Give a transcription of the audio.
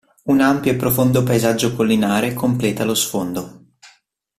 Un ampio e profondo paesaggio collinare completa lo sfondo.